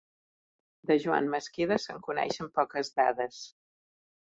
De Joan Mesquida se'n coneixen poques dades.